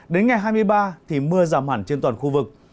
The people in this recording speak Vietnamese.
đến ngày hai mươi ba thì mưa giảm hẳn trên toàn khu vực